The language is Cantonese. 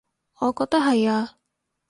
我覺得係呀